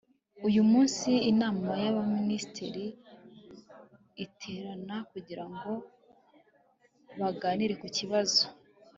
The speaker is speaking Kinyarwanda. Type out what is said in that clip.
uyu munsi, inama y'abaminisitiri iterana kugira ngo baganire ku kibazo